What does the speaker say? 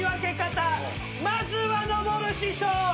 まずはのぼる師匠。